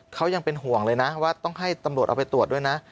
เขายังเป็นห่วงเลยนะว่าต้องให้ตำรวจเอาไปตรวจด้วยนะ